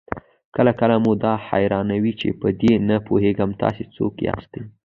کله کله مو دا حيرانوي چې په دې نه پوهېږئ تاسې څوک ياستئ؟